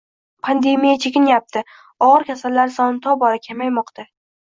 Pandemiya chekinyapti, og`ir kasallar soni tobora kamaymoqda